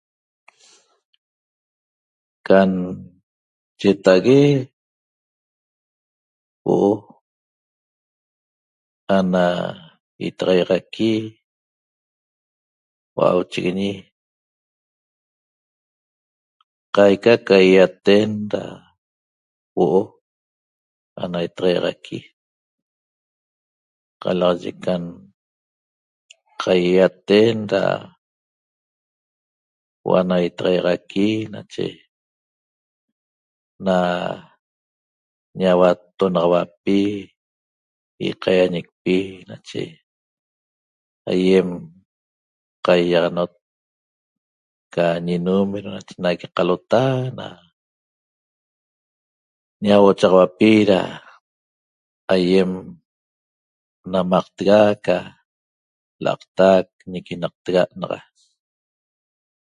Can cheta'ague huo'o ana itaxaixaqui hua'auchiguiñi qaica ca ýayaten da huo'o ana itaxaixaqui qalaxaye can qaýaýaten da huo'o ana itaxaixaqui nache na ñauattonaxauapi ýaqaýañicpi nache aýem qaiiaxanot ca ñinumero nache nagui qalota na ñauochaxauapi da aýem namaqtega ca l'aqtac ñiquinaqtega't naxa